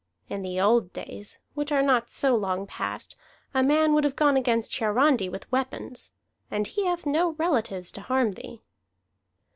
In the old days, which are not so long past, a man would have gone against Hiarandi with weapons. And he hath no relatives to harm thee."